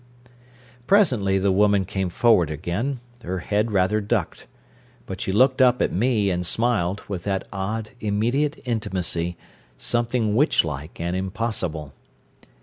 Presently the woman came forward again, her head rather ducked. But she looked up at me and smiled, with that odd, immediate intimacy, something witch like and impossible.